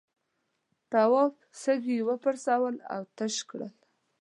تواب سږي وپرسول او تش کړل.